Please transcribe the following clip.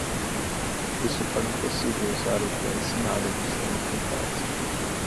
Isso torna impossível usar o que é ensinado no centro em casa.